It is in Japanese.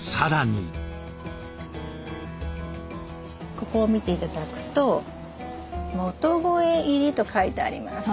ここを見て頂くと「元肥入り」と書いてあります。